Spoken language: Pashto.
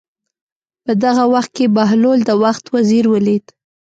په دغه وخت کې بهلول د وخت وزیر ولید.